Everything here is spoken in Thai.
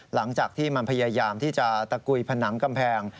หลังจากที่มันพยายามที่จะตะกุยผนังกำแพง